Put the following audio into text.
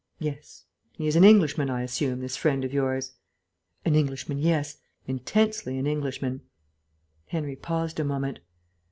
Yes.... He's an Englishman, I assume, this friend of yours?" "An Englishman, yes. Intensely an Englishman." Henry paused a moment.